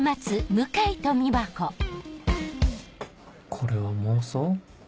これは妄想？